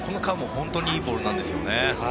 本当にいいボールなんですね。